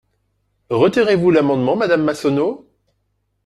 Retirez-vous l’amendement, madame Massonneau?